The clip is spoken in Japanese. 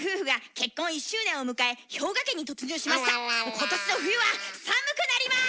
今年の冬は寒くなります！